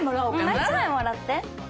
もう１枚もらって。